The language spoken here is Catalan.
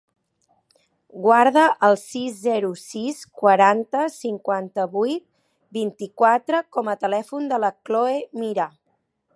Guarda el sis, zero, sis, quaranta, cinquanta-vuit, vint-i-quatre com a telèfon de la Chloé Mira.